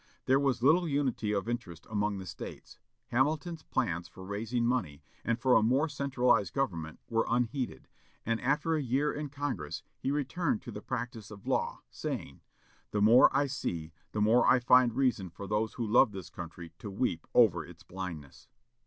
There was little unity of interest among the States. Hamilton's plans for raising money, and for a more centralized government, were unheeded; and, after a year in Congress, he returned to the practice of law, saying, "The more I see, the more I find reason for those who love this country to weep over its blindness."